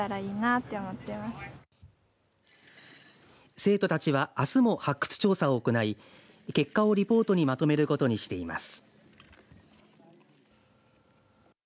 生徒たちはあすも発掘調査を行い結果をリポートにまとめることにしています。